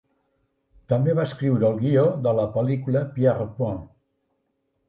També va escriure el guió de la pel·lícula "Pierrepoint".